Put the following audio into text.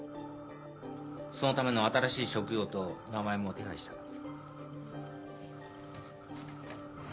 そのための新しい職業と名前も手配した。